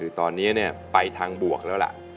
คือตอนนี้ไปทางบวกแล้วล่ะ